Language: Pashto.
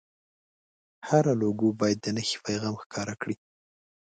هره لوګو باید د نښې پیغام ښکاره کړي.